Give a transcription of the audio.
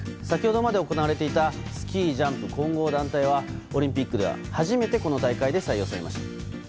先ほどまで行われていたスキージャンプ混合団体は、オリンピックでは初めてこの大会で採用されました。